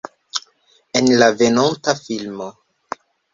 En la venonta filmo.